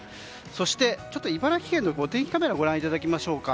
そして茨城県のお天気カメラをご覧いただきましょうか。